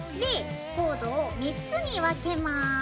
コードを３つに分けます。